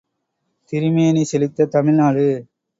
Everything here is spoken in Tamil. திருமேனி செழித்த தமிழ்நாடு